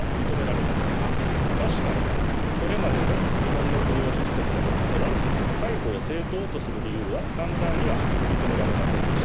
確かにこれまでの日本の雇用システムの下では解雇を正当とする理由は簡単には認められませんでした。